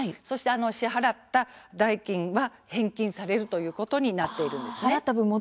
支払った代金は返金されるということになっています。